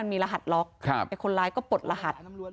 มีรหัสล็อคคนล้ายอันนั้นก็เปิดรหัส